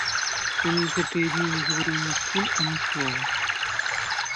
Ён гэтыя дні не гаварыў ні з кім ані слова.